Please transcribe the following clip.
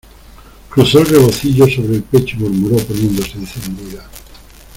cruzó el rebocillo sobre el pecho y murmuró poniéndose encendida: